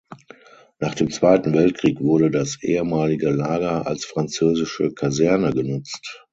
Nach dem Zweiten Weltkrieg wurde das ehemalige Lager als französische Kaserne genutzt.